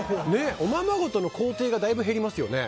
おままごとの工程がだいぶ減りますよね。